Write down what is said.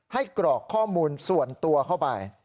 กรอกข้อมูลส่วนตัวเข้าไป